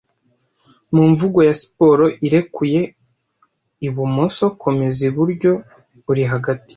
Mu mvugo ya siporo irekuye ibumoso Komeza iburyo uri hagati